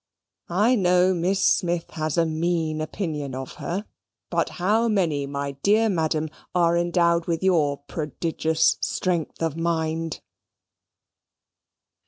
I know Miss Smith has a mean opinion of her. But how many, my dear Madam, are endowed with your prodigious strength of mind?